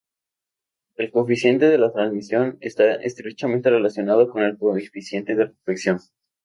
El coeficiente de transmisión está estrechamente relacionado con el "coeficiente de reflexión".